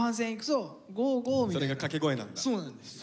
それが掛け声なんだ。